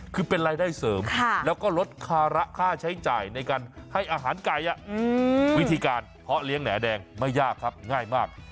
คือเป็นรายได้เสริมแล้วก็ลดภาระค่าใช้จ่ายในการให้อาหารไก่วิธีการเพาะเลี้ยงแหน่แดงไม่ยากครับง่ายมาก